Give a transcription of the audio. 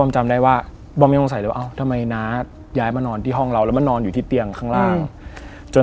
ใช่ครับ